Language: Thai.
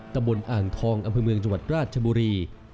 ตำบลอ่างทองอำเภอเมืองจังหวัดราชบุรี